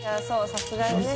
さすがね。